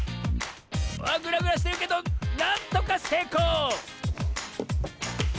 あっグラグラしてるけどなんとかせいこう！